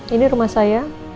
ini rumah saya